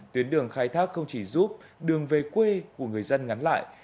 tuyến đường khai thác không chỉ giúp đường về quê của người dân ngắn lại